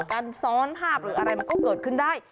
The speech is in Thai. การซ้อนภาพหรืออะไรมันก็เกิดขึ้นได้